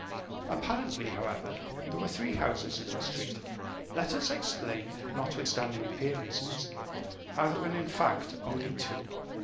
Apparently, however, there were three houses in the street. Let us explain, notwithstanding appearances, how there were in fact only two.